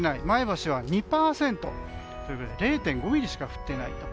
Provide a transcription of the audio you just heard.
前橋は２％０．５ミリしか降ってない。